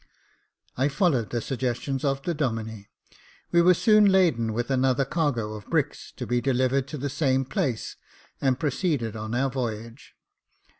I followed the suggestions of the Domine : we were soon laden with another cargo of bricks, to be delivered at the same place, and proceeded on our voyage.